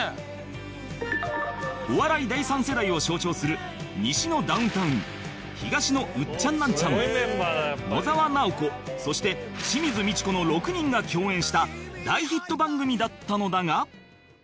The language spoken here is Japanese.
お笑い第３世代を象徴する西のダウンタウン東のウッチャンナンチャン野沢直子そして清水ミチコの６人が共演した大ヒット番組だったのだが